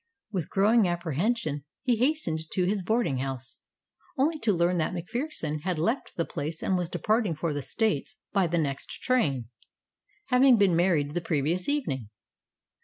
With growing apprehension he hastened to his boarding house, only to learn that MacPherson had left the place and was departing for the States by the next train, having been married the previous evening.